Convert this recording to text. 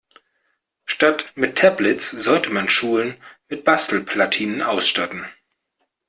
Statt mit Tablets sollte man Schulen mit Bastelplatinen ausstatten.